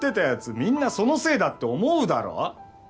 みんなそのせいだって思うだろ？